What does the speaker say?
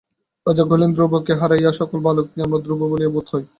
রাজা কহিলেন, ধ্রুবকে হারাইয়া সকল বালককেই আমার ধ্রুব বলিয়া বোধ হয়।